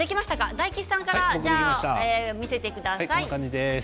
大吉さんから見せてください。